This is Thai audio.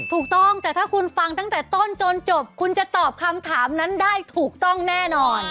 ถูกต้องแต่ถ้าคุณฟังตั้งแต่ต้นจนจบคุณจะตอบคำถามนั้นได้ถูกต้องแน่นอน